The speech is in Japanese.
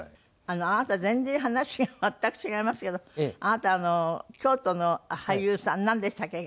あなた全然話が全く違いますけどあなた京都の俳優さんなんでしたっけ？